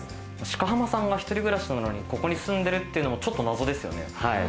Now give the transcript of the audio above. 鹿浜さんが１人暮らしなのにここに住んでるっていうのもちょっと謎ですよね。